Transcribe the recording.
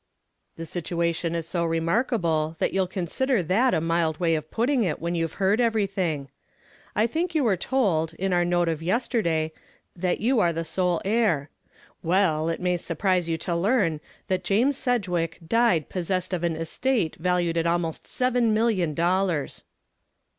"The situation is so remarkable that you'll consider that a mild way of putting it when you've heard everything. I think you were told, in our note of yesterday, that you are the sole heir. Well, it may surprise you to learn that James Sedgwick died possessed of an estate valued at almost seven million dollars."